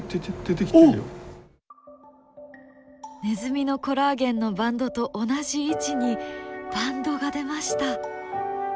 ネズミのコラーゲンのバンドと同じ位置にバンドが出ました！